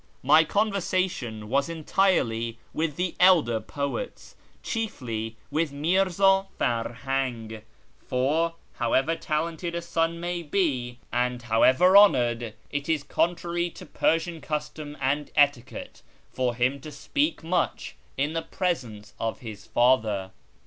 My conversation was entirely with the elder poets, chiefly with Mirza Earhang; for, however talented a son may be, and how 268 ,/ YEAR AMONGST THE PERSIANS ever lionoured, it is contrary to Persian custom and etiquette for him to speak much in the presence of his father.